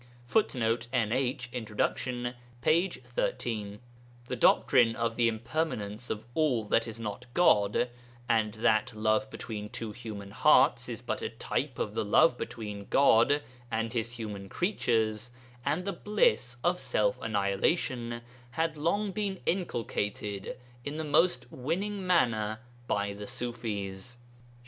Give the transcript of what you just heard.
[Footnote: NH, introd. p. xiii.] The doctrine of the impermanence of all that is not God, and that love between two human hearts is but a type of the love between God and his human creatures, and the bliss of self annihilation, had long been inculcated in the most winning manner by the Ṣufis.